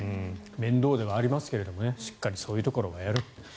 面倒ではありますけどしっかりそういうところもやる。